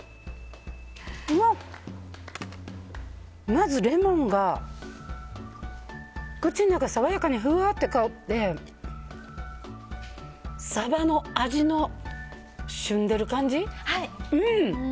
まず、レモンが口の中、爽やかにふわって香ってサバの味のしゅんでる感じ。